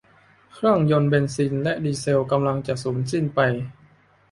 เครื่องยนต์เบนซินและดีเซลกำลังจะสูญสิ้นไป